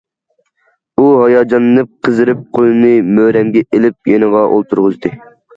ئۇ ھاياجانلىنىپ، قىزىرىپ، قولىنى مۈرەمگە ئېلىپ يېنىغا ئولتۇرغۇزدى.